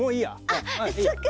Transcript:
あっそっか。